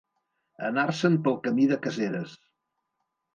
Anar-se'n pel camí de Caseres.